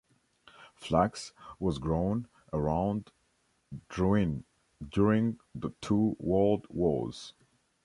Flax was grown around Drouin during the two world wars.